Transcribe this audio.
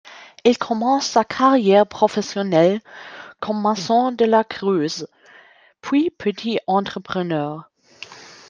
Il commence sa carrière professionnelle comme maçon de la Creuse, puis petit entrepreneur.